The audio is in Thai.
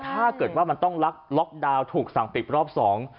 ถ้าเกิดว่ามันต้องลักล็อกดาวน์ถูกสั่งปิดรอบสอง